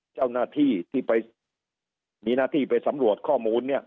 เจ้าหน้าที่ที่ไปมีหน้าที่ไปสำรวจข้อมูลเนี่ย